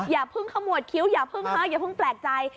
อย่าเพิ่งขมวดคิ้วอย่าเพิ่งฮะอย่าเพิ่งแปลกใจ